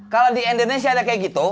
kalau di indonesia ada kayak gitu